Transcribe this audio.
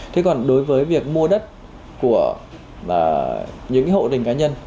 thế còn đối với việc mua đất của những hộ đình cá nhân